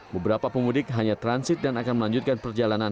beberapa pemudik hanya transit dan akan melanjutkan perjalanan